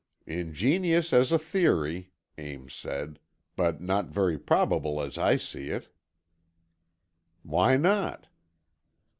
"Ingenious as a theory," Ames said, "but not very probable as I see it." "Why not?"